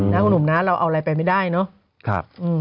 หนุ่มนะเราเอาอะไรไปไม่ได้เนาะ